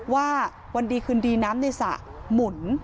ว่าวันดีคืนดีน้ำในสระหมุน